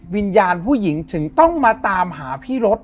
วิญญาณผู้หญิงถึงต้องมาตามหาพี่รถ